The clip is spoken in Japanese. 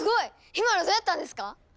今のどうやったんですか？